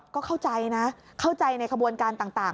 ก็เข้าใจนะเข้าใจในขบวนการต่าง